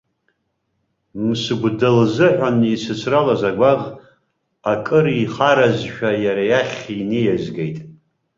Мсыгәда лзыҳәан исыцралаз агәаӷ, акыр ихаразшәа, иара иахь иниазгеит.